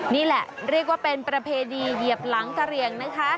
นี่แหละเรียกว่าเป็นประเพณีเหยียบหลังกะเหลี่ยงนะคะ